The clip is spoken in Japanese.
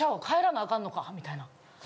帰らなあかんのかみたいな。